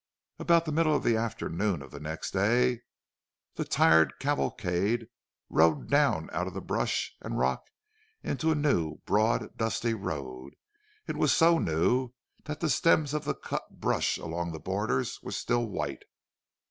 About the middle of the afternoon of the next day the tired cavalcade rode down out of the brush and rock into a new, broad, dusty road. It was so new that the stems of the cut brush along the borders were still white.